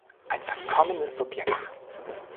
Ein verkommenes Subjekt.